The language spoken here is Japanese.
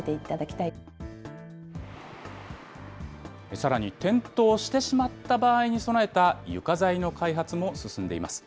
さらに、転倒してしまった場合に備えた床材の開発も進んでいます。